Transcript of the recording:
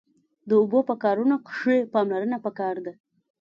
د اوبو په کارونه کښی پاملرنه پکار ده